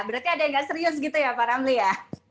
berarti ada yang nggak serius gitu ya pak ramli ya